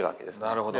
なるほど。